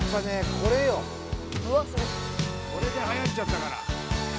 これではやっちゃったから。